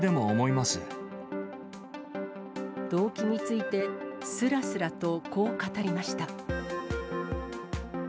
動機について、すらすらとこう語りました。